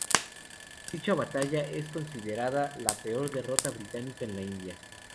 Dicha batalla es considerada la peor derrota británica en la India.